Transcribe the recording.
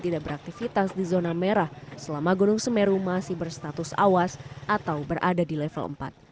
tidak beraktivitas di zona merah selama gunung semeru masih berstatus awas atau berada di level empat